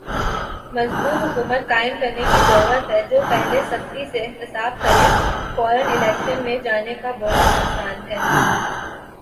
مضبوط حکومت قائم کرنے کی ضرورت ہے۔۔جو پہلے سختی سے احتساب کرے۔۔فورا الیکشن میں جانے کا بہت نقصان ہے۔۔